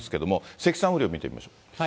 積算雨量見てみましょう。